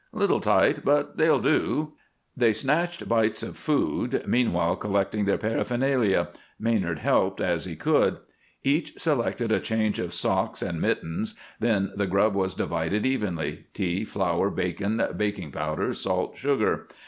"Little tight, but they'll go." They snatched bites of food, meanwhile collecting their paraphernalia, Maynard helping as he could. Each selected a change of socks and mittens. Then the grub was divided evenly tea, flour, bacon, baking powder, salt, sugar.